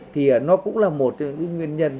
thì nó cũng là một cái nguyên nhân